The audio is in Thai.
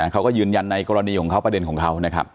เขาก็ยืนยันในกรณีของเขาประเด็นของเขานะครับ